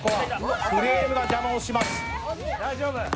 フレームが邪魔をします。